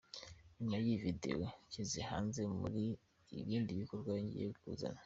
Nyuma y’iyi video nshyize hanze hari ibindi bikorwa ngiye kuzana.